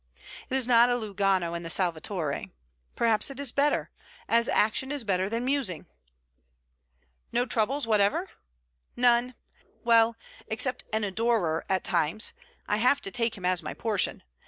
It is not Lugano and the Salvatore. Perhaps it is better: as action is better than musing.' 'No troubles whatever?' 'None. Well, except an "adorer" at times. I have to take him as my portion.